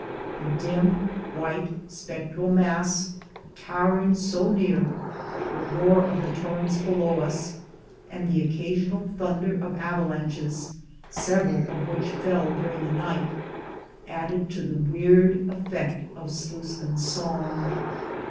The dim, white, spectral mass towering so near, the roar of the torrents below us, and the occasional thunder of avalanches, several of which fell during the night, added to the weird effect of Sluis kin's song.